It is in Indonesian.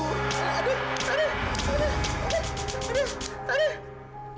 aduh aduh aduh aduh aduh aduh